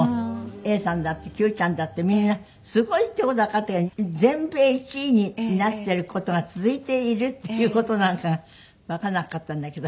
永さんだって九ちゃんだってみんなすごいっていう事はわかったけど全米１位になっている事が続いているっていう事なんかがわかんなかったんだけど。